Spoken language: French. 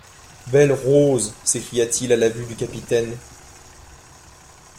Belle-Rose ! s'écria-t-il à la vue du capitaine.